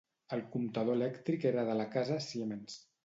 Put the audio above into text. El comptador elèctric era de la casa Siemens.